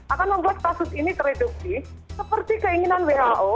akan membuat kasus ini tereduktif seperti keinginan who